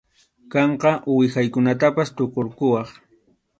Qamqa uwihaykunatapas tukurquwaq.